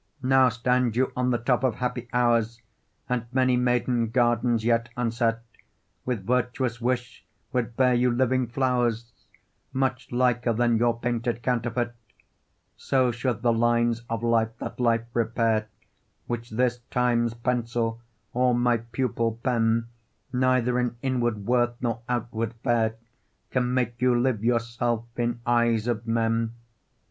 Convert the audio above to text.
Now stand you on the top of happy hours, And many maiden gardens, yet unset, With virtuous wish would bear you living flowers, Much liker than your painted counterfeit: So should the lines of life that life repair, Which this, Time's pencil, or my pupil pen, Neither in inward worth nor outward fair, Can make you live yourself in eyes of men.